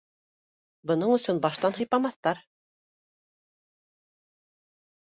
Бының өсөн баштан һыйпамаҫтар.